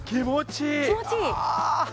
気持ちいいああ